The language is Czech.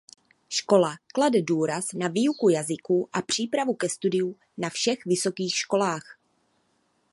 Škola klade důraz na výuku jazyků a přípravu ke studiu na všech vysokých školách.